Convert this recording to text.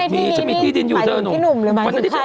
แบบนี้ชั้นมีที่ดินอยู่เธอนุ่ม